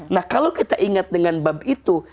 nah kalau kita ingat dengan bab itu